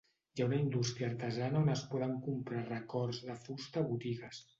Hi ha una indústria artesana on es poden comprar records de fusta a botigues.